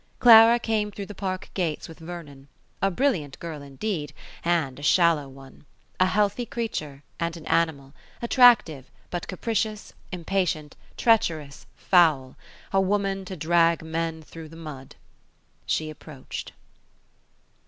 Clara came through the park gates with Vernon, a brilliant girl indeed, and a shallow one: a healthy creature, and an animal; attractive, but capricious, impatient, treacherous, foul; a woman to drag men through the mud. She approached.